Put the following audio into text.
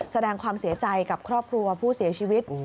แสดงความเสียใจกับครอบครัวผู้เสียชีวิต